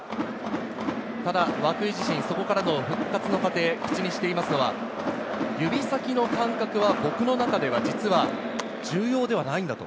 ただ涌井自身、そこからの復活の過程を口にしていますのは、指先の感覚は僕の中では実は重要ではないんだ。